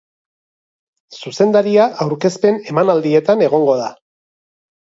Zuzendaria aurkezpen-emanaldietan egongo da.